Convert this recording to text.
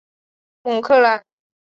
蒙克莱。